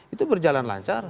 itu berjalan lancar